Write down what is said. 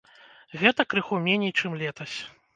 Гэта крыху меней, чым летась.